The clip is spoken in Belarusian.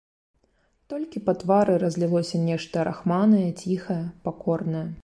Толькі па твары разлілося нешта рахманае, ціхае, пакорнае.